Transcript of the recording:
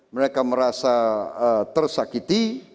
mereka merasa tersakiti